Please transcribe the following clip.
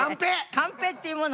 カンペっていうもの